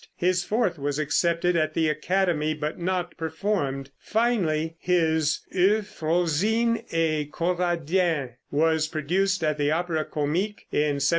His fourth was accepted at the Academy, but not performed. Finally his "Euphrosine et Coradin" was produced at the Opéra Comique in 1790.